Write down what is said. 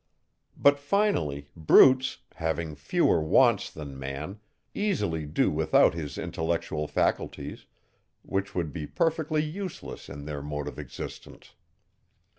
But finally, brutes, having fewer wants than man, easily do without his intellectual faculties, which would be perfectly useless in their mode of existence.